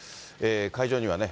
会場にはね、